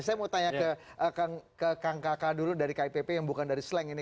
saya mau tanya ke kang kakak dulu dari kipp yang bukan dari slang ini